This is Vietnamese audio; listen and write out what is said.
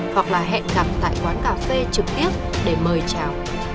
hoặc là hẹn gặp tại quán cà phê trực tiếp để mời chào